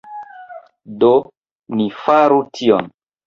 Do, ni faru tion!